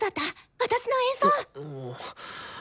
私の演奏！